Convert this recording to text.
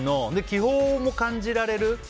気泡も感じられる。